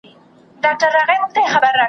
یوه جاهل مي، د خپلي کورنۍ تربیې له برکته `